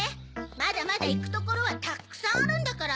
まだまだいくところはたくさんあるんだから！